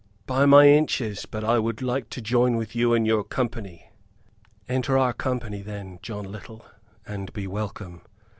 By my inches, but I would like to join with you and your company." "Enter our company, then, John Little; and be welcome.